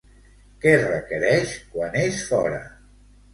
Què requereix quan és fora?